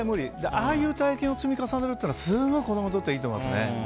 ああいう体験を積み重ねるっていうのはすごく子供にとっていいと思いますね。